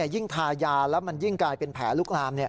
ยิ่งทายาแล้วมันยิ่งกลายเป็นแผลลุกลาม